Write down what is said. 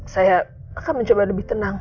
saya akan mencoba lebih tenang